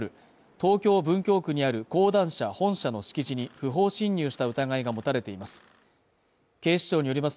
東京文京区にある講談社本社の敷地に不法侵入した疑いが持たれています